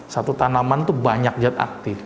satu tanaman itu banyak zat aktif